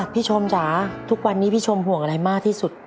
พี่ชมจ๋าทุกวันนี้พี่ชมห่วงอะไรมากที่สุด